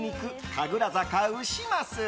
神楽坂牛ます。